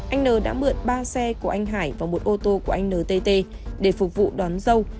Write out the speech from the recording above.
anh n đã mượn ba xe của anh hải và một ô tô của anh ntt để phục vụ đón dâu